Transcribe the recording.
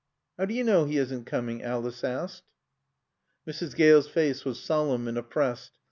"How do you know he isn't coming?" Alice asked. Mrs. Gale's face was solemn and oppressed.